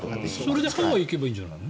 それでハワイに行けばいいんじゃない？